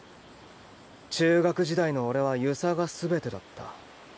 中学時代の俺は遊佐が全てだった。